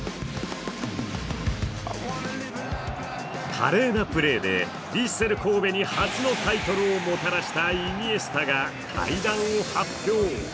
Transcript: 華麗なプレーでヴィッセル神戸に初のタイトルをもたらしたイニエスタが退団を発表。